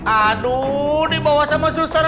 aduh dibawa sama susah